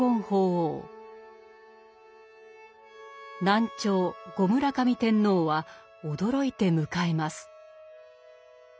南朝・後村上天皇は驚いて迎えます。